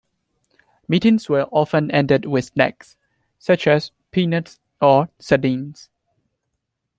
Meetings were often ended with snacks, such as peanuts or sardines.